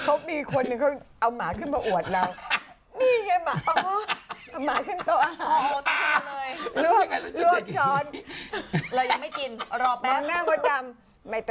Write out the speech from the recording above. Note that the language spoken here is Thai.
เนี่ยเราก็เขาก็สนุกแล้วก็สุดท้ายได้